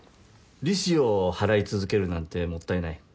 利子を払い続けるなんてもったいない。